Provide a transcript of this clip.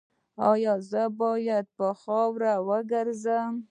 ایا زه باید په خاورو وګرځم؟